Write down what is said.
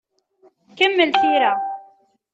Kemmel tira.